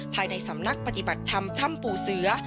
ภายในสำนักปฏิบัติธรรมถ้ำปู่เสือ